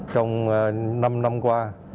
trong năm năm qua